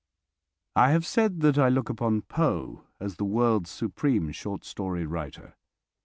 I have said that I look upon Poe as the world's supreme short story writer.